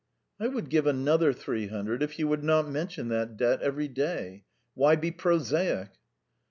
"I would give another three hundred if you would not mention that debt every day. Why be prosaic?"